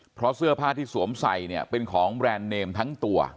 เพราะเสื้อผ้าที่สวมใส่เนี่ยเป็นของแบรนด์เนมทั้งตัว